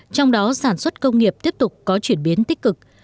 trong đó sản xuất công nghiệp tiếp tục có chuyển biến tích cực